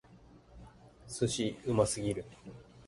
寿司！うますぎる！